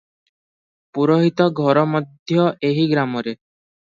ପୁରୋହିତ ଘର ମଧ୍ୟ ଏହି ଗ୍ରାମରେ ।